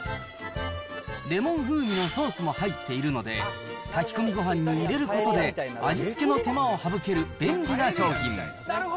レモン風味のソースも入っているので、炊き込みご飯に入れることで、味付けの手間を省ける便利な商品。